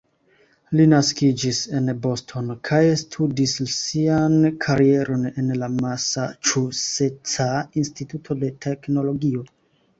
Li naskiĝis en Bostono kaj studis sian karieron en la Masaĉuseca Instituto de Teknologio.